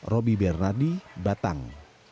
roby bernadi batang